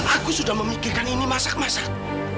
aku sudah memikirkan ini masak masak